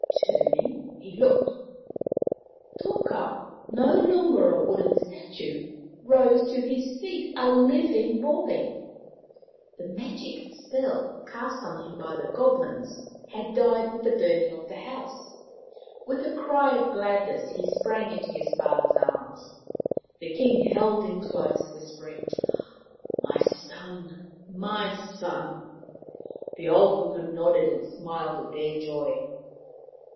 Turning, he looked. Toka, no longer a wooden statue, rose to his feet a living boy ! The magic spell cast on him by the Goblins had died with the burning of the house. With a cry of gladness he sprang into his father's arms. The King held him close, whispering, " My son ! My son I " Sea Goblins 215 The old woman nodded and smiled at their joy.